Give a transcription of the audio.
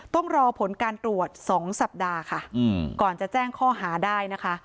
ต้องรอผลการตรวจ๒สัปดาห์ค่ะก่อนจะแจ้งข้อหาได้นะคะ